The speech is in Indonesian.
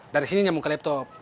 dari sini nyamuk ke laptop